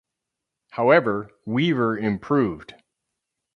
However, Weaver improved.